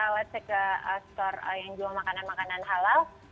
let's say ke store yang jual makanan makanan halal